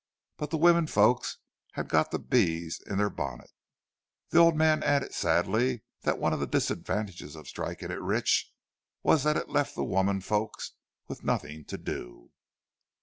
But the women folks had got the bee in their bonnet. The old man added sadly that one of the disadvantages of striking it rich was that it left the women folks with nothing to do.